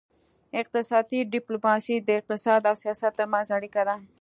اقتصادي ډیپلوماسي د اقتصاد او سیاست ترمنځ اړیکه ده